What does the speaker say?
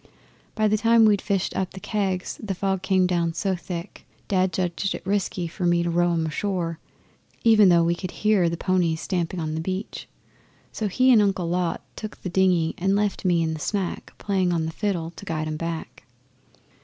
By the time we'd fished up the kegs the fog came down so thick Dad judged it risky for me to row 'em ashore, even though we could hear the ponies stamping on the beach. So he and Uncle Lot took the dinghy and left me in the smack playing on my fiddle to guide 'em back.